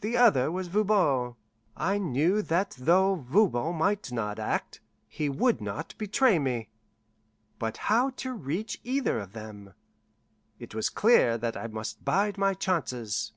The other was Voban. I knew that though Voban might not act, he would not betray me. But how to reach either of them? It was clear that I must bide my chances.